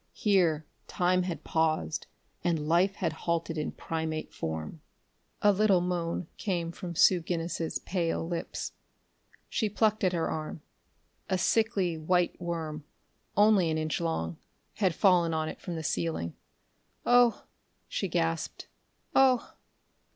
Here Time had paused, and life had halted in primate form. A little moan came from Sue Guinness's pale lips. She plucked at her arm; a sickly white worm, only an inch long, had fallen on it from the ceiling. "Oh!" she gasped. "Oh!"